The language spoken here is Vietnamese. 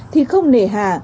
thì không nề hà